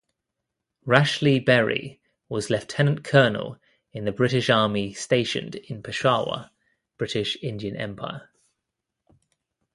Rashleigh-Berry was Lieutenant Colonel in the British Army stationed in Peshawar, British Indian Empire.